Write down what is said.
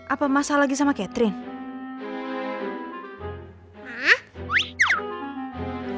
apa masalah lagi sama catherine